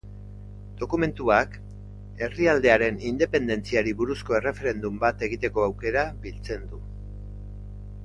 Dokumentuak herrialdearen independentziari buruzko erreferendum bat egiteko aukera biltzen du.